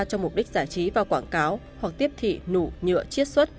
cho mục đích giải trí và quảng cáo hoặc tiếp thị nụ nhựa chiết xuất